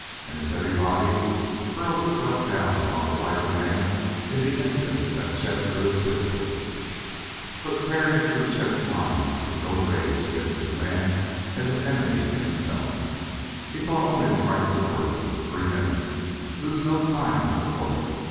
And his heavy body hurled itself down upon the lighter man in the instant that Chet drew his pistol. But, tearing through Chet's mind, was no rage against this man as an enemy in himself; he thought only of Kreiss' words; "Three minutes! Lose no time at the port!"